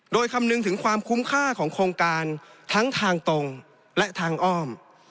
โดยคำนึงถึงความคุ้มค่าของโครงการทั้งทางตรงและทางอ้อม